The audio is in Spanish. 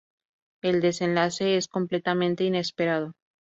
El desenlace es completamente inesperado.